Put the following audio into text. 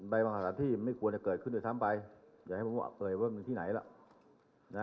ใบบังหาศาสตร์ที่ไม่ควรจะเกิดขึ้นอีกซ้ำไปอย่าให้ผมว่าเป็นที่ไหนล่ะ